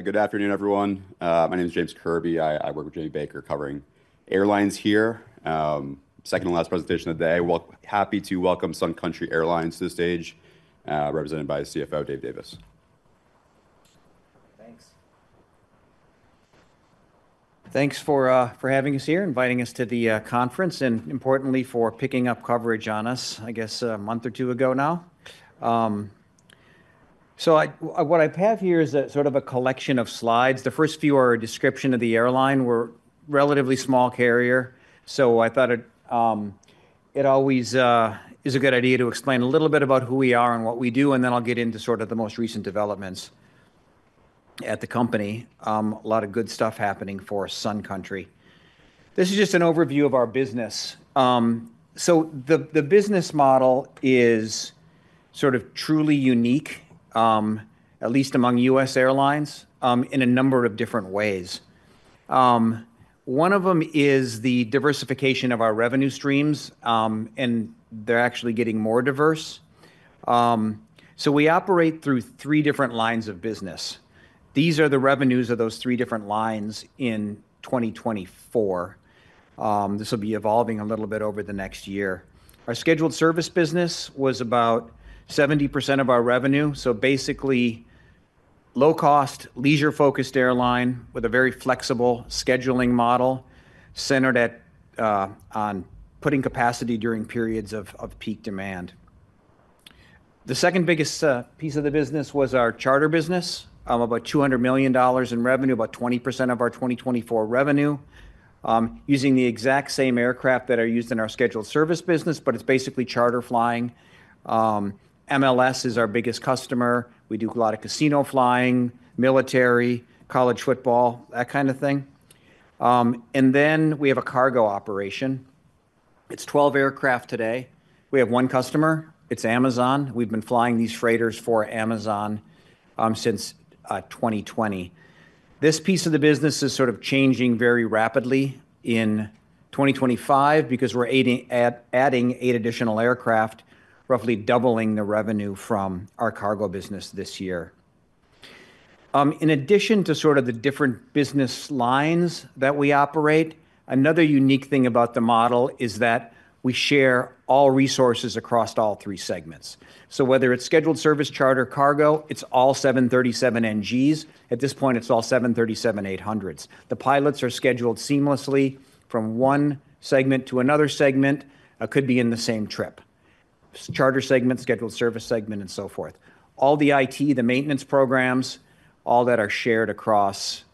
Good afternoon, everyone. My name is James Kirby. I work with Jamie Baker covering airlines here. Second and last presentation of the day. Happy to welcome Sun Country Airlines to the stage, represented by CFO Dave Davis. Thanks. Thanks for having us here, inviting us to the conference, and importantly, for picking up coverage on us, I guess, a month or two ago now. What I have here is sort of a collection of slides. The first few are a description of the airline. We're a relatively small carrier, so I thought it always is a good idea to explain a little bit about who we are and what we do, and then I'll get into sort of the most recent developments at the company. A lot of good stuff happening for Sun Country. This is just an overview of our business. The business model is sort of truly unique, at least among U.S. airlines, in a number of different ways. One of them is the diversification of our revenue streams, and they're actually getting more diverse. We operate through three different lines of business. These are the revenues of those three different lines in 2024. This will be evolving a little bit over the next year. Our scheduled service business was about 70% of our revenue, so basically low-cost, leisure-focused airline with a very flexible scheduling model centered on putting capacity during periods of peak demand. The second biggest piece of the business was our charter business, about $200 million in revenue, about 20% of our 2024 revenue, using the exact same aircraft that are used in our scheduled service business, but it's basically charter flying. MLS is our biggest customer. We do a lot of casino flying, military, college football, that kind of thing. We have a cargo operation. It's 12 aircraft today. We have one customer. It's Amazon. We've been flying these freighters for Amazon since 2020. This piece of the business is sort of changing very rapidly in 2025 because we're adding eight additional aircraft, roughly doubling the revenue from our cargo business this year. In addition to sort of the different business lines that we operate, another unique thing about the model is that we share all resources across all three segments. Whether it's scheduled service, charter, cargo, it's all 737NGs. At this point, it's all 737-800s. The pilots are scheduled seamlessly from one segment to another segment, could be in the same trip: charter segment, scheduled service segment, and so forth. All the IT, the maintenance programs, all that are shared across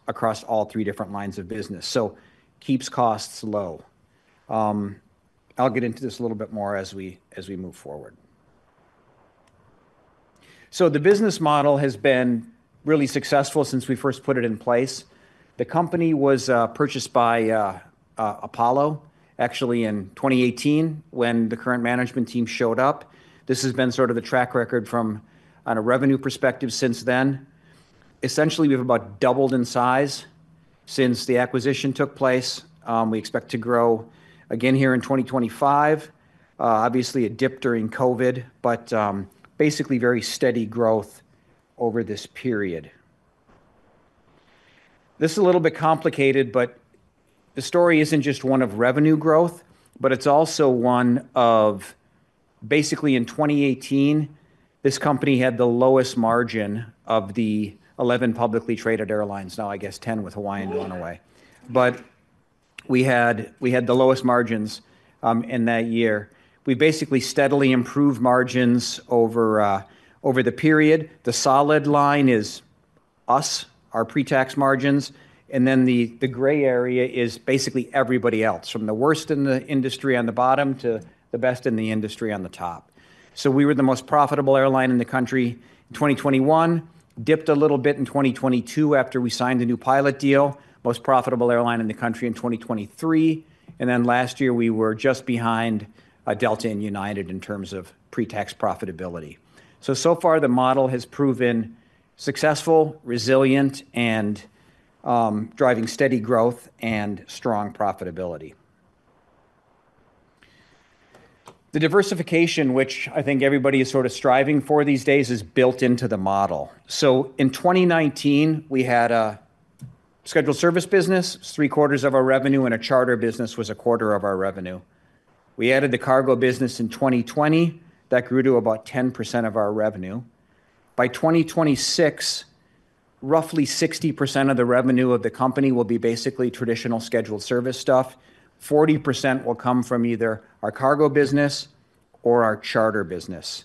all three different lines of business. It keeps costs low. I'll get into this a little bit more as we move forward. The business model has been really successful since we first put it in place. The company was purchased by Apollo, actually, in 2018 when the current management team showed up. This has been sort of the track record from a revenue perspective since then. Essentially, we've about doubled in size since the acquisition took place. We expect to grow again here in 2025. Obviously, it dipped during COVID, but basically very steady growth over this period. This is a little bit complicated, but the story isn't just one of revenue growth, but it's also one of basically in 2018, this company had the lowest margin of the 11 publicly traded airlines. Now, I guess 10 with Hawaiian gone away. We had the lowest margins in that year. We basically steadily improved margins over the period. The solid line is us, our pre-tax margins, and then the gray area is basically everybody else, from the worst in the industry on the bottom to the best in the industry on the top. We were the most profitable airline in the country in 2021, dipped a little bit in 2022 after we signed a new pilot deal, most profitable airline in the country in 2023, and last year we were just behind Delta and United in terms of pre-tax profitability. So far, the model has proven successful, resilient, and driving steady growth and strong profitability. The diversification, which I think everybody is sort of striving for these days, is built into the model. In 2019, we had a scheduled service business. Three quarters of our revenue and a charter business was a quarter of our revenue. We added the cargo business in 2020. That grew to about 10% of our revenue. By 2026, roughly 60% of the revenue of the company will be basically traditional scheduled service stuff. 40% will come from either our cargo business or our charter business.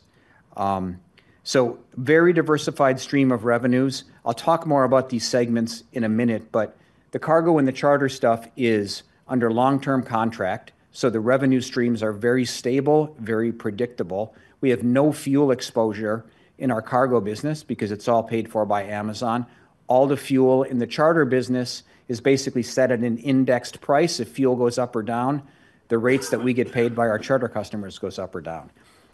So very diversified stream of revenues. I'll talk more about these segments in a minute, but the cargo and the charter stuff is under long-term contract, so the revenue streams are very stable, very predictable. We have no fuel exposure in our cargo business because it's all paid for by Amazon. All the fuel in the charter business is basically set at an indexed price. If fuel goes up or down, the rates that we get paid by our charter customers go up or down.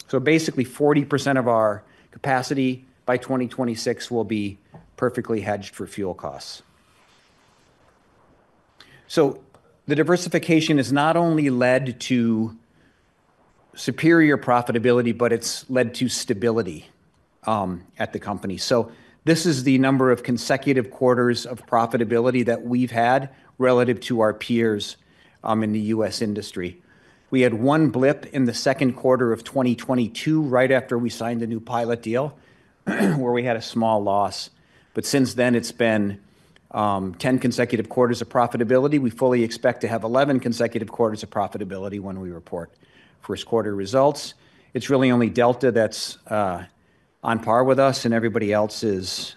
So basically 40% of our capacity by 2026 will be perfectly hedged for fuel costs. The diversification has not only led to superior profitability, but it's led to stability at the company. This is the number of consecutive quarters of profitability that we've had relative to our peers in the U.S. industry. We had one blip in the second quarter of 2022 right after we signed a new pilot deal where we had a small loss. Since then, it's been 10 consecutive quarters of profitability. We fully expect to have 11 consecutive quarters of profitability when we report first quarter results. It's really only Delta that's on par with us, and everybody else is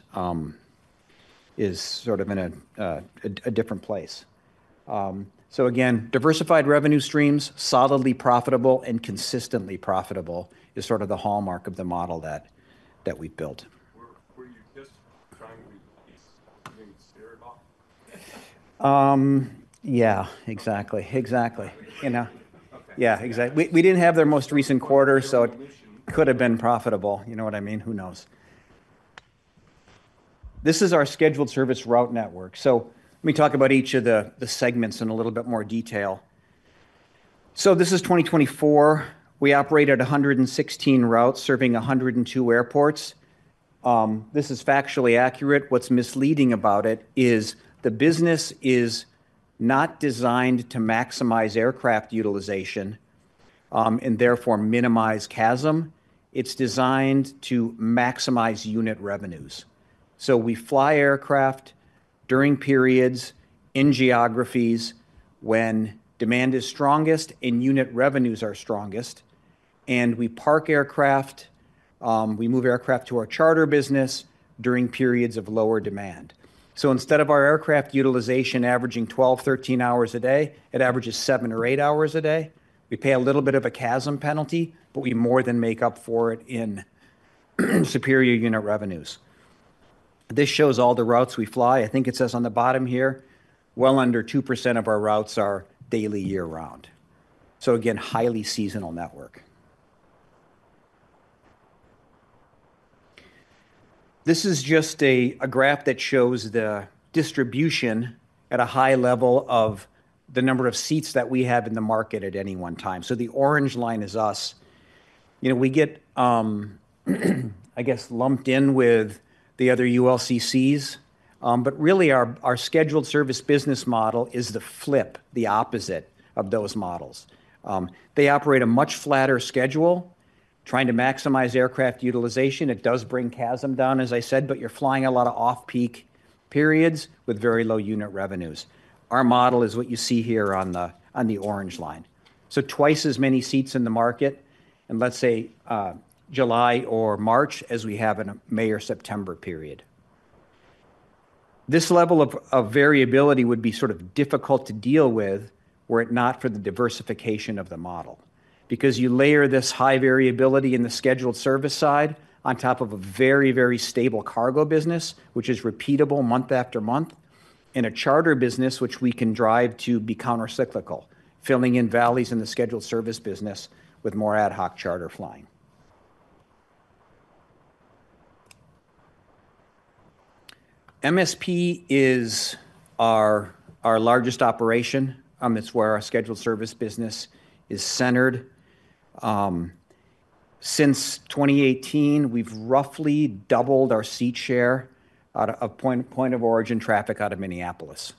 sort of in a different place. Again, diversified revenue streams, solidly profitable and consistently profitable is sort of the hallmark of the model that we've built. Were you just trying to be scared off? Yeah, exactly. Exactly. Yeah, exactly. We did not have their most recent quarter, so it could have been profitable. You know what I mean? Who knows? This is our scheduled service route network. Let me talk about each of the segments in a little bit more detail. This is 2024. We operated 116 routes, serving 102 airports. This is factually accurate. What is misleading about it is the business is not designed to maximize aircraft utilization and therefore minimize CASM. It is designed to maximize unit revenues. We fly aircraft during periods in geographies when demand is strongest and unit revenues are strongest, and we park aircraft. We move aircraft to our charter business during periods of lower demand. Instead of our aircraft utilization averaging 12-13 hours a day, it averages seven or eight hours a day. We pay a little bit of a CASM penalty, but we more than make up for it in superior unit revenues. This shows all the routes we fly. I think it says on the bottom here, well under 2% of our routes are daily year-round. Again, highly seasonal network. This is just a graph that shows the distribution at a high level of the number of seats that we have in the market at any one time. The orange line is us. We get, I guess, lumped in with the other ULCCs, but really our scheduled service business model is the flip, the opposite of those models. They operate a much flatter schedule, trying to maximize aircraft utilization. It does bring CASM down, as I said, but you're flying a lot of off-peak periods with very low unit revenues. Our model is what you see here on the orange line. Twice as many seats in the market in, let's say, July or March as we have in a May or September period. This level of variability would be sort of difficult to deal with were it not for the diversification of the model. You layer this high variability in the scheduled service side on top of a very, very stable cargo business, which is repeatable month after month, and a charter business, which we can drive to be countercyclical, filling in valleys in the scheduled service business with more ad hoc charter flying. MSP is our largest operation. It's where our scheduled service business is centered. Since 2018, we've roughly doubled our seat share out of point of origin traffic out of Minneapolis.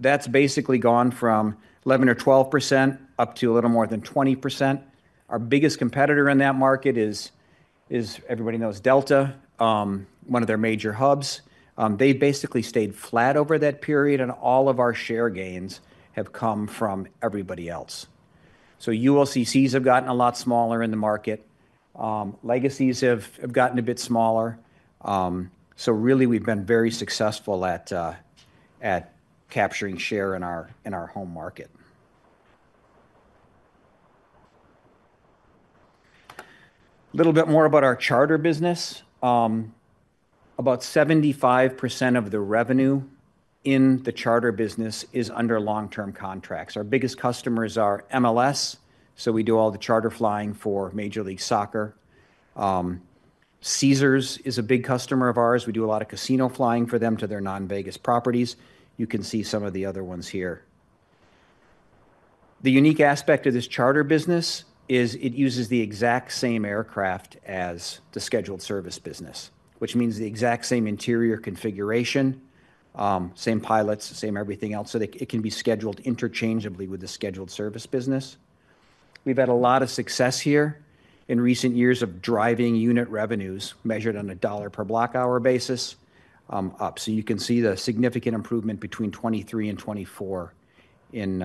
That's basically gone from 11% or 12% up to a little more than 20%. Our biggest competitor in that market is, as everybody knows, Delta, one of their major hubs. They basically stayed flat over that period, and all of our share gains have come from everybody else. ULCCs have gotten a lot smaller in the market. Legacies have gotten a bit smaller. Really, we've been very successful at capturing share in our home market. A little bit more about our charter business. About 75% of the revenue in the charter business is under long-term contracts. Our biggest customers are MLS, so we do all the charter flying for Major League Soccer. Caesars is a big customer of ours. We do a lot of casino flying for them to their non-Vegas properties. You can see some of the other ones here. The unique aspect of this charter business is it uses the exact same aircraft as the scheduled service business, which means the exact same interior configuration, same pilots, same everything else, so it can be scheduled interchangeably with the scheduled service business. We've had a lot of success here in recent years of driving unit revenues measured on a dollar per block hour basis up. You can see the significant improvement between 2023 and 2024 in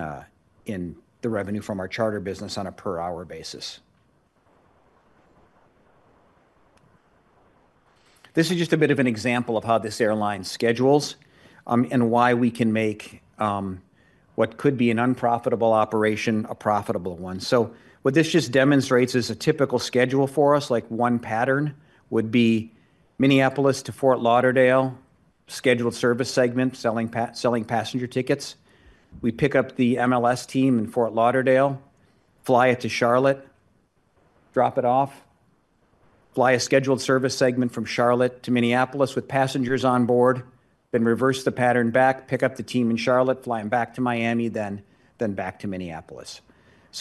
the revenue from our charter business on a per-hour basis. This is just a bit of an example of how this airline schedules and why we can make what could be an unprofitable operation a profitable one. What this just demonstrates is a typical schedule for us, like one pattern would be Minneapolis to Fort Lauderdale, scheduled service segment, selling passenger tickets. We pick up the MLS team in Fort Lauderdale, fly it to Charlotte, drop it off, fly a scheduled service segment from Charlotte to Minneapolis with passengers on board, then reverse the pattern back, pick up the team in Charlotte, fly them back to Miami, then back to Minneapolis.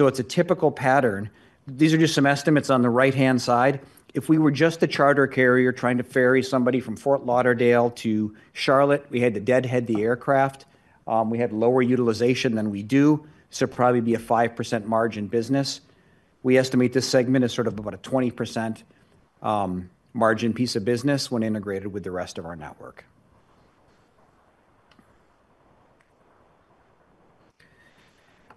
It is a typical pattern. These are just some estimates on the right-hand side. If we were just a charter carrier trying to ferry somebody from Fort Lauderdale to Charlotte, we had to deadhead the aircraft. We had lower utilization than we do, so it'd probably be a 5% margin business. We estimate this segment as sort of about a 20% margin piece of business when integrated with the rest of our network.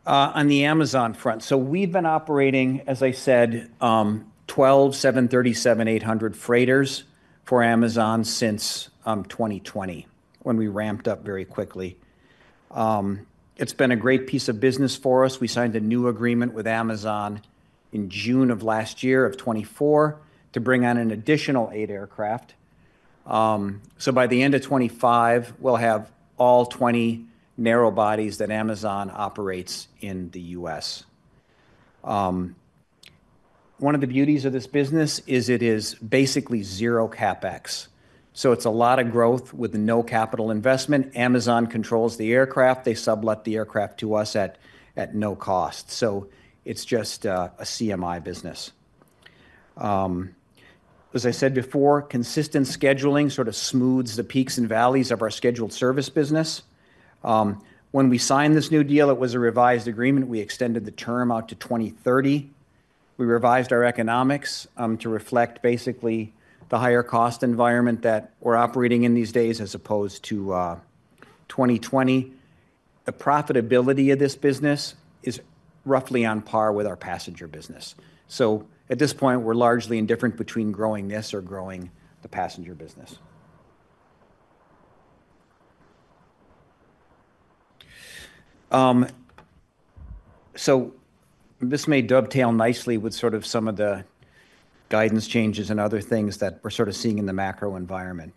On the Amazon front, we have been operating, as I said, 12 737-800 freighters for Amazon since 2020 when we ramped up very quickly. It's been a great piece of business for us. We signed a new agreement with Amazon in June of last year of 2024 to bring on an additional eight aircraft. By the end of 2025, we'll have all 20 narrowbodies that Amazon operates in the U.S. One of the beauties of this business is it is basically zero CapEx. It's a lot of growth with no capital investment. Amazon controls the aircraft. They sublet the aircraft to us at no cost. It's just a CMI business. As I said before, consistent scheduling sort of smooths the peaks and valleys of our scheduled service business. When we signed this new deal, it was a revised agreement. We extended the term out to 2030. We revised our economics to reflect basically the higher cost environment that we're operating in these days as opposed to 2020. The profitability of this business is roughly on par with our passenger business. At this point, we're largely indifferent between growing this or growing the passenger business. This may dovetail nicely with sort of some of the guidance changes and other things that we're sort of seeing in the macro environment.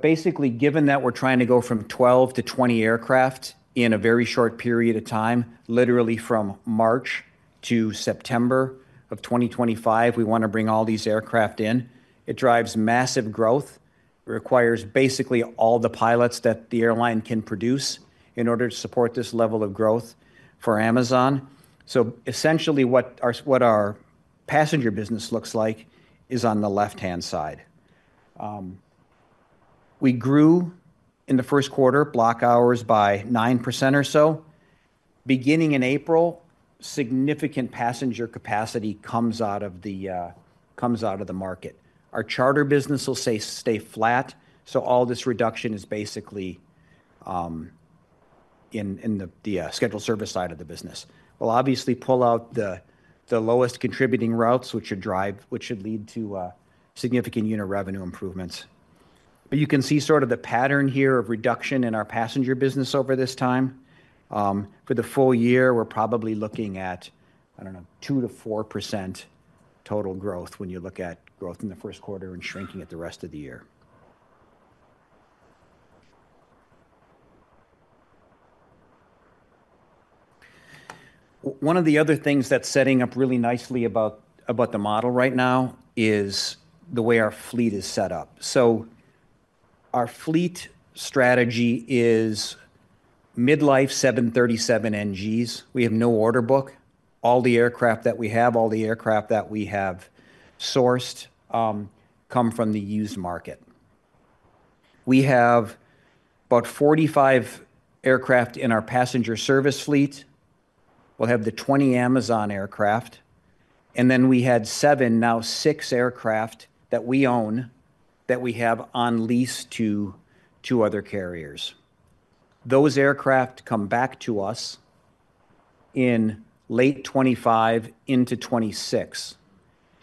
Basically, given that we're trying to go from 12 to 20 aircraft in a very short period of time, literally from March to September of 2025, we want to bring all these aircraft in. It drives massive growth. It requires basically all the pilots that the airline can produce in order to support this level of growth for Amazon. Essentially what our passenger business looks like is on the left-hand side. We grew in the first quarter block hours by 9% or so. Beginning in April, significant passenger capacity comes out of the market. Our charter business will stay flat, so all this reduction is basically in the scheduled service side of the business. We'll obviously pull out the lowest contributing routes, which should lead to significant unit revenue improvements. You can see sort of the pattern here of reduction in our passenger business over this time. For the full year, we're probably looking at, I don't know, 2%-4% total growth when you look at growth in the first quarter and shrinking at the rest of the year. One of the other things that's setting up really nicely about the model right now is the way our fleet is set up. Our fleet strategy is mid-life 737 NGs. We have no order book. All the aircraft that we have, all the aircraft that we have sourced, come from the used market. We have about 45 aircraft in our passenger service fleet. We'll have the 20 Amazon aircraft. We had seven, now six aircraft that we own that we have on lease to other carriers. Those aircraft come back to us in late 2025 into 2026.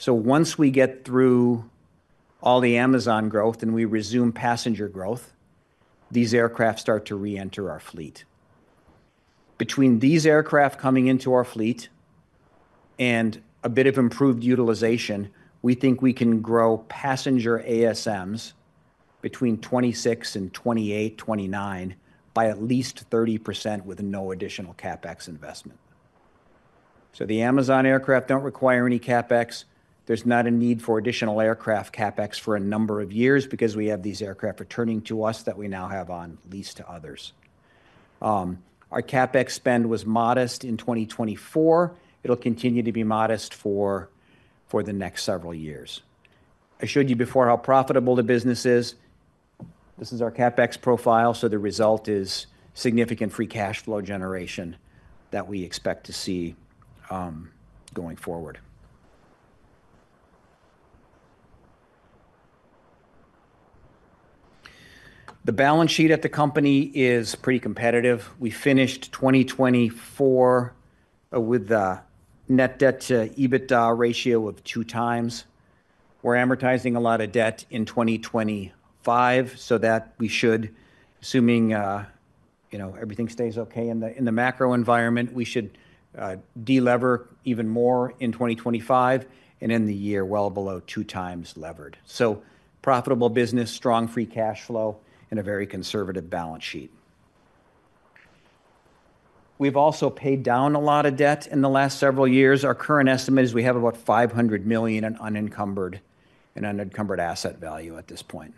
Once we get through all the Amazon growth and we resume passenger growth, these aircraft start to re-enter our fleet. Between these aircraft coming into our fleet and a bit of improved utilization, we think we can grow passenger ASMs between 2026 and 2028, 2029 by at least 30% with no additional CapEx investment. The Amazon aircraft do not require any CapEx. There is not a need for additional aircraft CapEx for a number of years because we have these aircraft returning to us that we now have on lease to others. Our CapEx spend was modest in 2024. It'll continue to be modest for the next several years. I showed you before how profitable the business is. This is our CapEx profile. The result is significant free cash flow generation that we expect to see going forward. The balance sheet at the company is pretty competitive. We finished 2024 with a net debt-to-EBITDA ratio of two times. We're amortizing a lot of debt in 2025, so that we should, assuming everything stays okay in the macro environment, delever even more in 2025 and end the year well below 2x levered. Profitable business, strong free cash flow, and a very conservative balance sheet. We've also paid down a lot of debt in the last several years. Our current estimate is we have about $500 million in unencumbered asset value at this point.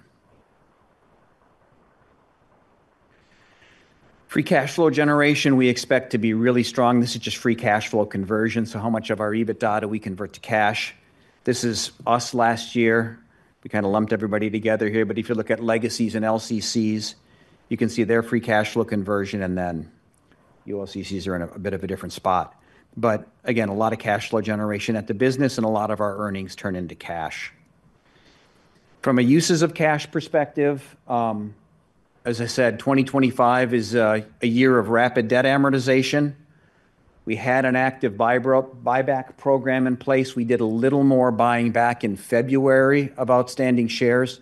Free cash flow generation, we expect to be really strong. This is just free cash flow conversion. So how much of our EBITDA do we convert to cash? This is us last year. We kind of lumped everybody together here, but if you look at legacies and LCCs, you can see their free cash flow conversion, and then ULCCs are in a bit of a different spot. But again, a lot of cash flow generation at the business, and a lot of our earnings turn into cash. From a uses of cash perspective, as I said, 2025 is a year of rapid debt amortization. We had an active buyback program in place. We did a little more buying back in February of outstanding shares.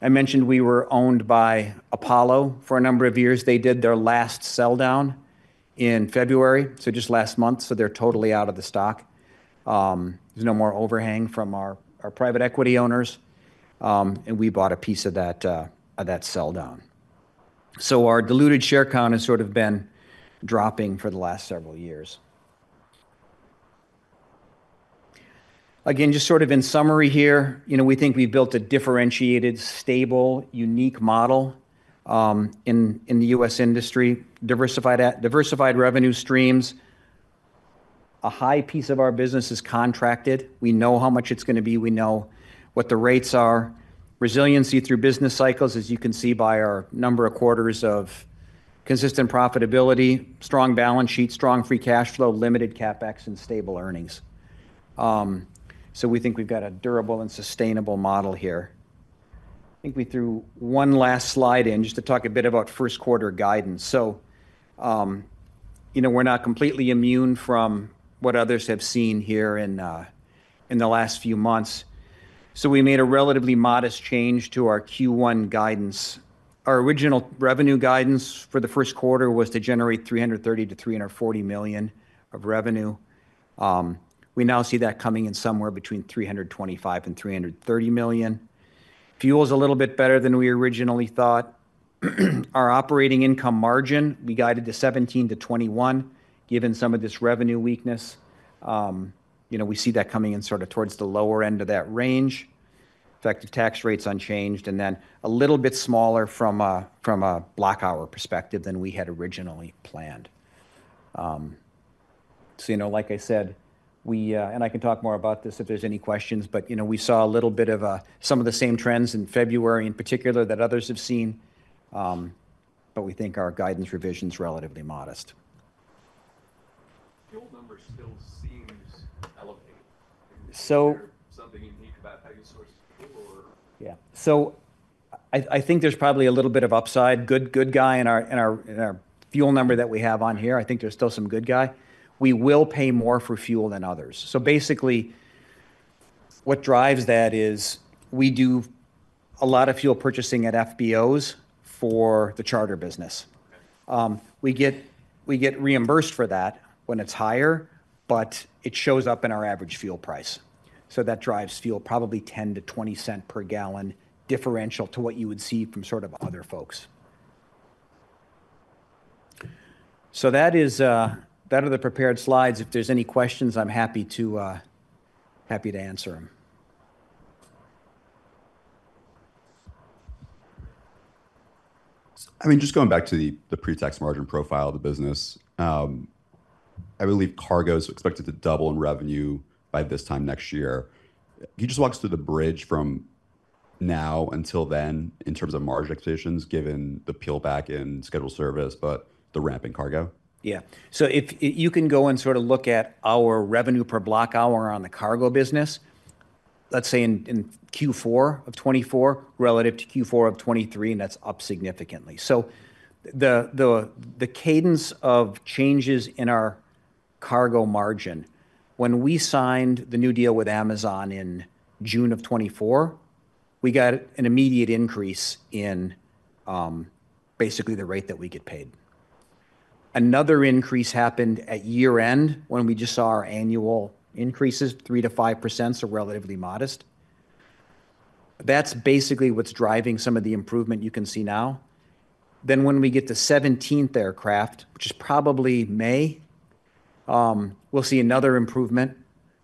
I mentioned we were owned by Apollo for a number of years. They did their last sell down in February, so just last month, so they're totally out of the stock. There's no more overhang from our private equity owners, and we bought a piece of that sell down. Our diluted share count has sort of been dropping for the last several years. Again, just sort of in summary here, we think we've built a differentiated, stable, unique model in the U.S. industry. Diversified revenue streams. A high piece of our business is contracted. We know how much it's going to be. We know what the rates are. Resiliency through business cycles, as you can see by our number of quarters of consistent profitability, strong balance sheet, strong free cash flow, limited CapEx, and stable earnings. We think we've got a durable and sustainable model here. I think we threw one last slide in just to talk a bit about first quarter guidance. We're not completely immune from what others have seen here in the last few months. We made a relatively modest change to our Q1 guidance. Our original revenue guidance for the first quarter was to generate $330 million-$340 million of revenue. We now see that coming in somewhere between $325 million and $330 million. Fuel is a little bit better than we originally thought. Our operating income margin, we guided to 17%-21%, given some of this revenue weakness. We see that coming in sort of towards the lower end of that range. Effective tax rate is unchanged, and then a little bit smaller from a block hour perspective than we had originally planned. Like I said, and I can talk more about this if there are any questions, we saw a little bit of some of the same trends in February in particular that others have seen, but we think our guidance revision is relatively modest. Fuel number still seems elevated. Is there something unique about how you source fuel or? Yeah. I think there's probably a little bit of upside. Good guy in our fuel number that we have on here. I think there's still some good guy. We will pay more for fuel than others. Basically, what drives that is we do a lot of fuel purchasing at FBOs for the charter business. We get reimbursed for that when it's higher, but it shows up in our average fuel price. That drives fuel probably 10-20 cent per gallon differential to what you would see from sort of other folks. That are the prepared slides. If there's any questions, I'm happy to answer them. I mean, just going back to the pre-tax margin profile of the business, I believe cargo is expected to double in revenue by this time next year. Can you just walk us through the bridge from now until then in terms of margin expectations given the peelback in scheduled service but the ramping cargo? Yeah. You can go and sort of look at our revenue per block hour on the cargo business, let's say in Q4 of 2024 relative to Q4 of 2023, and that's up significantly. The cadence of changes in our cargo margin, when we signed the new deal with Amazon in June of 2024, we got an immediate increase in basically the rate that we get paid. Another increase happened at year-end when we just saw our annual increases, 3%-5%, so relatively modest. That's basically what's driving some of the improvement you can see now. When we get to the 17th aircraft, which is probably May, we'll see another improvement.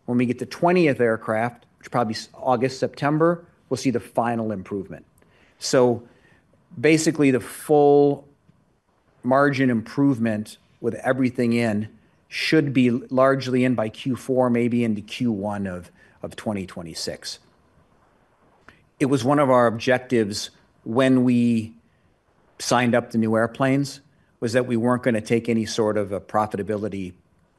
When we get to 20th aircraft, which is probably August, September, we'll see the final improvement. Basically, the full margin improvement with everything in should be largely in by Q4, maybe into Q1 of 2026. It was one of our objectives when we signed up the new airplanes that we weren't going to take any sort of a profitability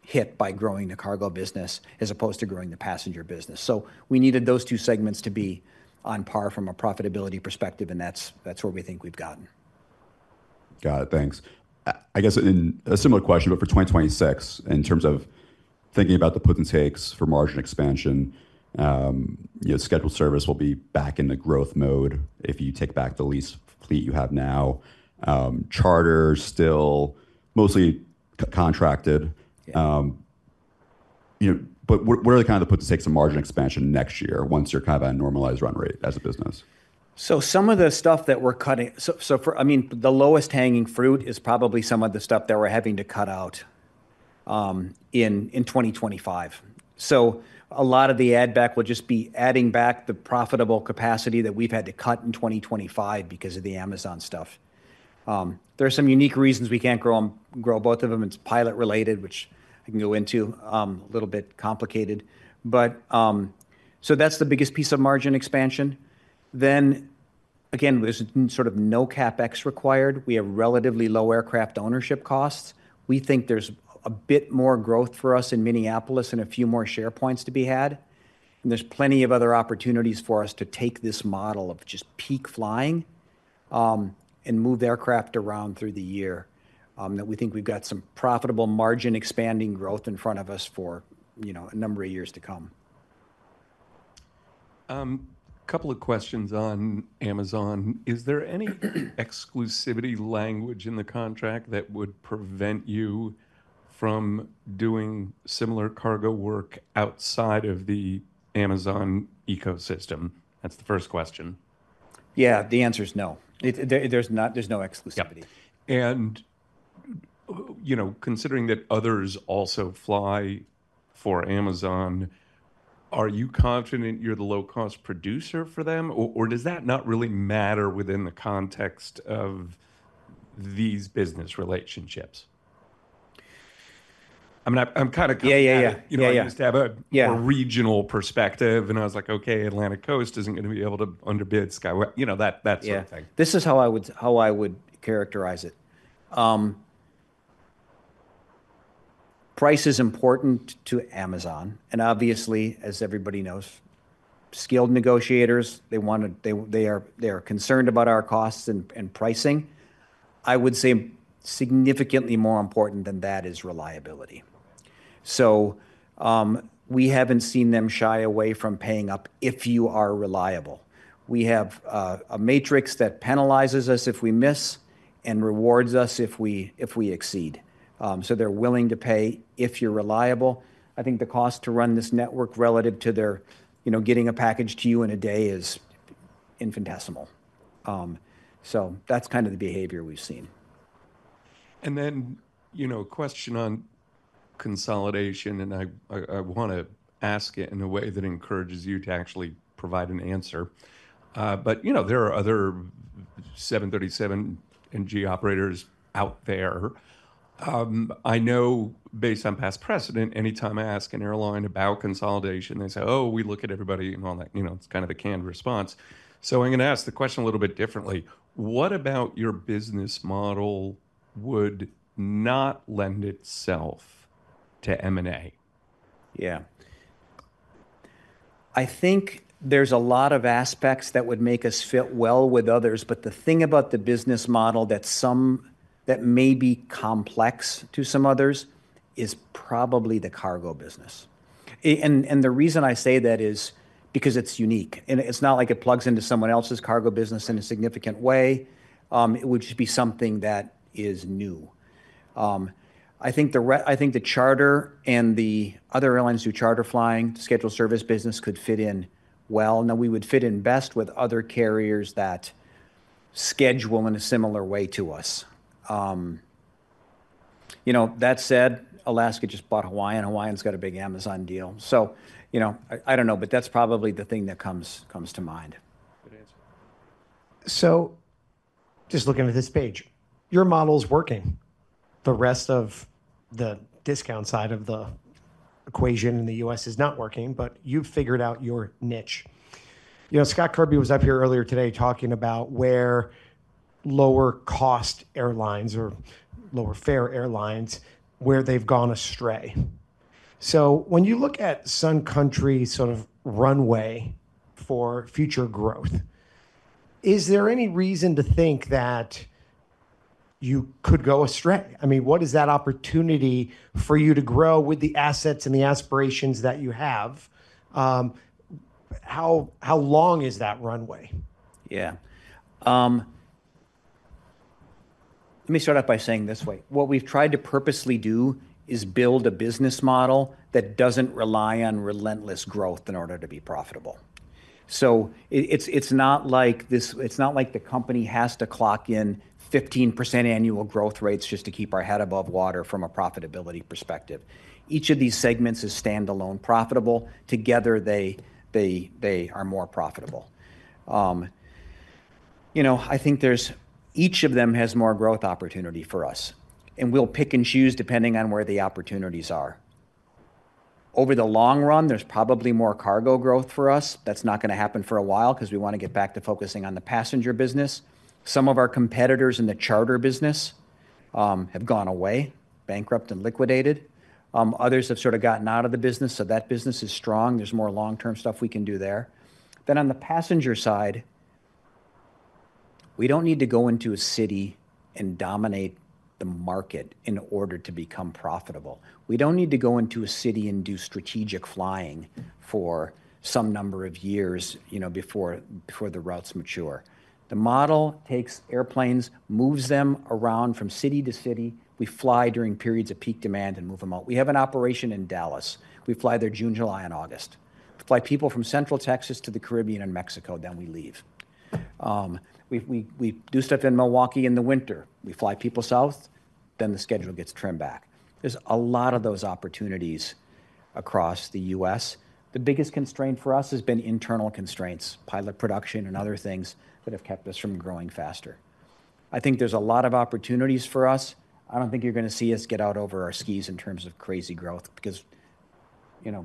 hit by growing the cargo business as opposed to growing the passenger business. We needed those two segments to be on par from a profitability perspective, and that's where we think we've gotten. Got it. Thanks. I guess a similar question, but for 2026, in terms of thinking about the puts and takes for margin expansion, scheduled service will be back in the growth mode if you take back the lease fleet you have now. Charter is still mostly contracted. What are the kind of the puts and takes of margin expansion next year once you're kind of at a normalized run rate as a business? Some of the stuff that we're cutting, I mean, the lowest hanging fruit is probably some of the stuff that we're having to cut out in 2025. A lot of the add-back will just be adding back the profitable capacity that we've had to cut in 2025 because of the Amazon stuff. There are some unique reasons we can't grow both of them. It's pilot-related, which I can go into, a little bit complicated. That's the biggest piece of margin expansion. Again, there's sort of no capex required. We have relatively low aircraft ownership costs. We think there's a bit more growth for us in Minneapolis and a few more share points to be had. There are plenty of other opportunities for us to take this model of just peak flying and move aircraft around through the year. We think we've got some profitable margin expanding growth in front of us for a number of years to come. Couple of questions on Amazon. Is there any exclusivity language in the contract that would prevent you from doing similar cargo work outside of the Amazon ecosystem? That's the first question. Yeah, the answer is no. There's no exclusivity. And considering that others also fly for Amazon, are you confident you're the low-cost producer for them, or does that not really matter within the context of these business relationships? I'm kind of confident you don't understand a regional perspective, and I was like, "Okay, Atlantic Coast isn't going to be able to underbid Skyway," that sort of thing. Yeah, this is how I would characterize it. Price is important to Amazon. Obviously, as everybody knows, skilled negotiators, they are concerned about our costs and pricing. I would say significantly more important than that is reliability. We have not seen them shy away from paying up if you are reliable. We have a matrix that penalizes us if we miss and rewards us if we exceed. They are willing to pay if you are reliable. I think the cost to run this network relative to their getting a package to you in a day is infinitesimal. That is kind of the behavior we have seen. A question on consolidation, and I want to ask it in a way that encourages you to actually provide an answer. There are other 737NG operators out there. I know, based on past precedent, anytime I ask an airline about consolidation, they say, "Oh, we look at everybody," and all that. It's kind of a canned response. I am going to ask the question a little bit differently. What about your business model would not lend itself to M&A? Yeah. I think there's a lot of aspects that would make us fit well with others, but the thing about the business model that may be complex to some others is probably the cargo business. The reason I say that is because it's unique. It's not like it plugs into someone else's cargo business in a significant way, which would be something that is new. I think the charter and the other airlines do charter flying, scheduled service business could fit in well. Now, we would fit in best with other carriers that schedule in a similar way to us. That said, Alaska just bought Hawaiian, and Hawaiian's got a big Amazon deal. I don't know, but that's probably the thing that comes to mind. Good answer. Just looking at this page, your model's working. The rest of the discount side of the equation in the U.S. is not working, but you've figured out your niche. Scott Kirby was up here earlier today talking about where lower-cost airlines or lower-fare airlines, where they've gone astray. When you look at Sun Country's sort of runway for future growth, is there any reason to think that you could go astray? I mean, what is that opportunity for you to grow with the assets and the aspirations that you have? How long is that runway? Yeah. Let me start out by saying this way. What we've tried to purposely do is build a business model that doesn't rely on relentless growth in order to be profitable. So it's not like the company has to clock in 15% annual growth rates just to keep our head above water from a profitability perspective. Each of these segments is standalone profitable. Together, they are more profitable. I think each of them has more growth opportunity for us, and we'll pick and choose depending on where the opportunities are. Over the long run, there's probably more cargo growth for us. That's not going to happen for a while because we want to get back to focusing on the passenger business. Some of our competitors in the charter business have gone away, bankrupt and liquidated. Others have sort of gotten out of the business, so that business is strong. There's more long-term stuff we can do there. On the passenger side, we do not need to go into a city and dominate the market in order to become profitable. We do not need to go into a city and do strategic flying for some number of years before the routes mature. The model takes airplanes, moves them around from city to city. We fly during periods of peak demand and move them out. We have an operation in Dallas. We fly there June, July, and August. We fly people from Central Texas to the Caribbean and Mexico, then we leave. We do stuff in Milwaukee in the winter. We fly people south, then the schedule gets trimmed back. There are a lot of those opportunities across the U.S. The biggest constraint for us has been internal constraints, pilot production, and other things that have kept us from growing faster. I think there's a lot of opportunities for us. I don't think you're going to see us get out over our skis in terms of crazy growth because we're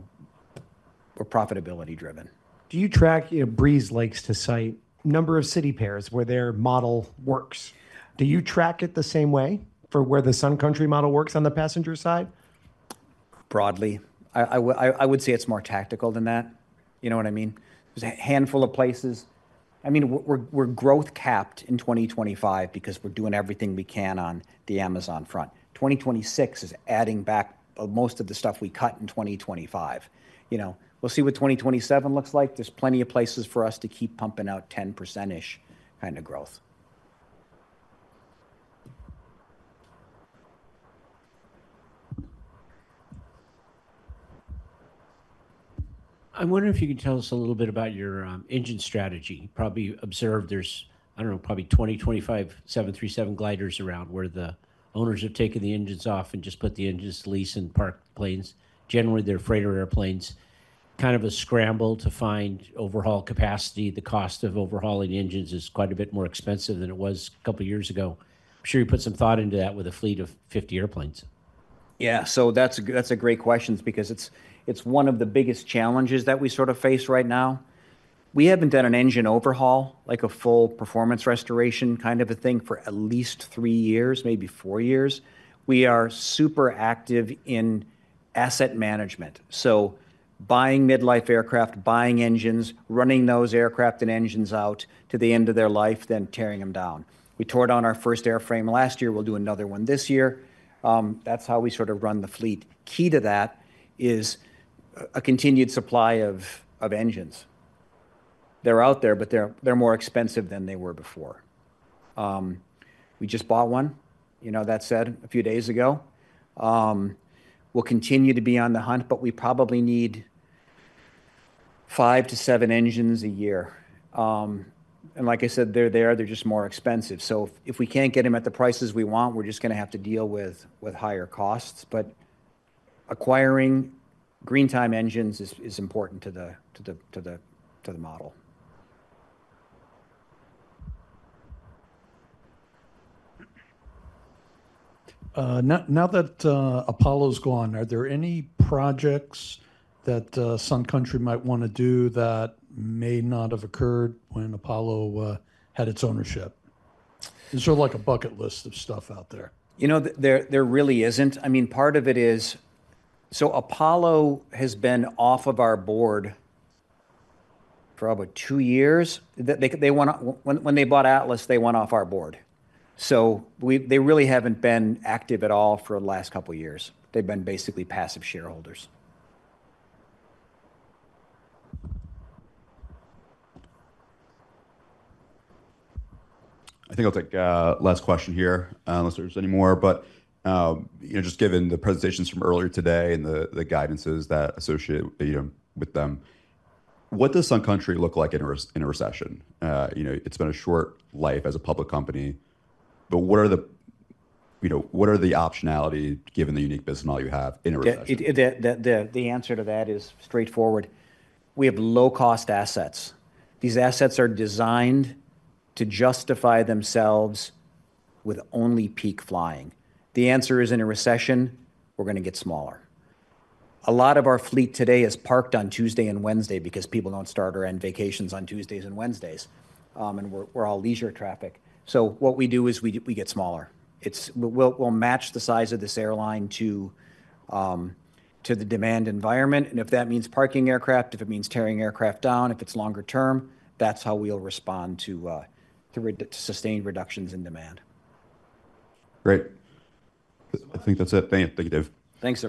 profitability-driven. Do you track Breeze, like to cite number of city pairs where their model works? Do you track it the same way for where the Sun Country model works on the passenger side? Broadly. I would say it's more tactical than that. You know what I mean? There's a handful of places. I mean, we're growth capped in 2025 because we're doing everything we can on the Amazon front. 2026 is adding back most of the stuff we cut in 2025. We'll see what 2027 looks like. There's plenty of places for us to keep pumping out 10%-ish kind of growth. I'm wondering if you can tell us a little bit about your engine strategy. You probably observed there's, I don't know, probably 20-25 737 gliders around where the owners have taken the engines off and just put the engines to lease and park the planes. Generally, they're freighter airplanes. Kind of a scramble to find overhaul capacity. The cost of overhauling engines is quite a bit more expensive than it was a couple of years ago. I'm sure you put some thought into that with a fleet of 50 airplanes. Yeah. That's a great question because it's one of the biggest challenges that we sort of face right now. We haven't done an engine overhaul, like a full performance restoration kind of a thing for at least three years, maybe four years. We are super active in asset management. Buying mid-life aircraft, buying engines, running those aircraft and engines out to the end of their life, then tearing them down. We tore down our first airframe last year. We'll do another one this year. That's how we sort of run the fleet. Key to that is a continued supply of engines. They're out there, but they're more expensive than they were before. We just bought one, that said, a few days ago. We'll continue to be on the hunt, but we probably need five to seven engines a year. Like I said, they're there. They're just more expensive. If we can't get them at the prices we want, we're just going to have to deal with higher costs. Acquiring green-time engines is important to the model. Now that Apollo's gone, are there any projects that Sun Country might want to do that may not have occurred when Apollo had its ownership? There's sort of like a bucket list of stuff out there. There really isn't. I mean, part of it is Apollo has been off of our board for about two years. When they bought Atlas, they went off our board. They really haven't been active at all for the last couple of years. They've been basically passive shareholders. I think I'll take the last question here unless there's any more. Just given the presentations from earlier today and the guidances that associate with them, what does Sun Country look like in a recession? It's been a short life as a public company, but what are the optionality, given the unique business model you have, in a recession? The answer to that is straightforward. We have low-cost assets. These assets are designed to justify themselves with only peak flying. The answer is in a recession, we're going to get smaller. A lot of our fleet today is parked on Tuesday and Wednesday because people don't start or end vacations on Tuesdays and Wednesdays, and we're all leisure traffic. What we do is we get smaller. We'll match the size of this airline to the demand environment. If that means parking aircraft, if it means tearing aircraft down, if it's longer term, that's how we'll respond to sustained reductions in demand. Great. I think that's it. Thank you, Dave. Thanks.